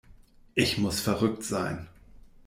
Ich muss verrückt sein.